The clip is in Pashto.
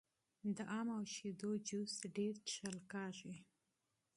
د ام او شیدو جوس ډیر خوړل کیږي.